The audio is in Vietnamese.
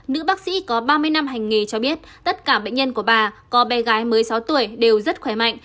nữ bác sĩ có ba mươi năm hành nghề cho biết tất cả bệnh nhân của bà có bé gái một mươi sáu tuổi đều rất khỏe mạnh